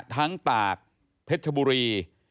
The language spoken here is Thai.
ทั้งตากเทศบุรี